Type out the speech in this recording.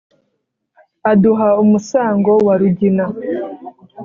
Aduha umusango wa Rugina